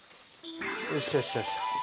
よしよしよし。